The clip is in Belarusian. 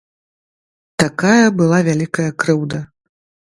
Такая была вялікая крыўда!